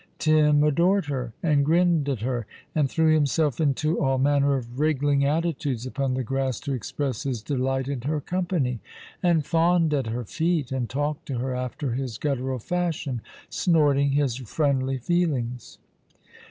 Tim adored her, and grinned at her, and threw him self into all manner of wriggling attitudes upon the grass to express his delight in her company, and fawned at her feet, and talked to her after his guttural fashion, snorting his friendly feelings.